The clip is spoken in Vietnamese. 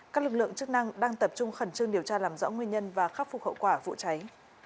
các lực lượng chức năng đang tập trung khẩn trương điều tra làm rõ nguyên nhân và khắc phục hậu quả vụ cháy